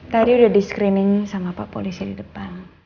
tadi udah di screening sama pak polisi di depan